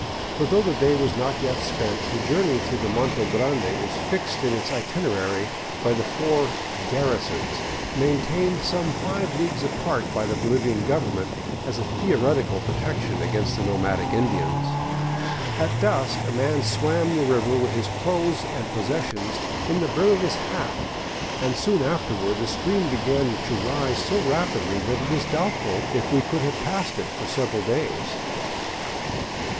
For though the day was not yet spent, the journey through the Monte Grande is fixed in its itinerary by the four " garrisons " maintained some five leagues apart by the Bolivian government as a theoretical protection against the nomadic Indians. At dusk a man swam the river with his clothing and pos sessions in the brim of his hat, and soon afterward the stream began to rise so rapidly that it Is doubtful if we could have passed it for several days.